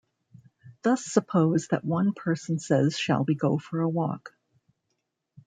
Thus suppose that one person says Shall we go for a walk?